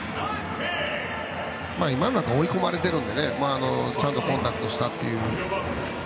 今は追い込まれているのでちゃんとコンタクトしたという。